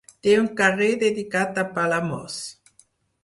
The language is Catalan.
Té un carrer dedicat a Palamós.